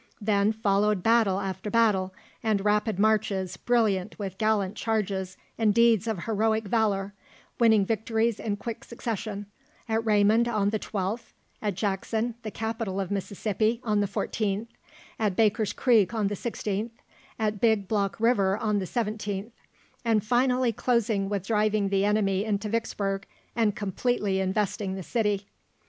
Then followed battle after battle, and "rapid marches, brilliant with gallant charges and deeds of heroic valour, winning victories in quick succession at Raymond on the 12th, at Jackson the capital of Mississippi on the 14th, at Baker's Creek on the 16th, at Big Block River on the 17th, and finally closing with driving the enemy into Vicksburg, and completely investing the city."